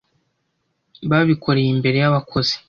Babikoreye imbere y'abakozi.